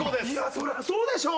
そりゃそうでしょ